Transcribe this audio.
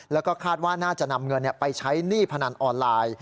แล้วก็คาดว่าน่าจะนำเงินไปใช้หนี้พนันออนไลน์